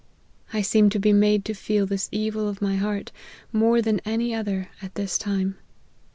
I seem to be made to feel this evil of my heart, more than any other, at this time.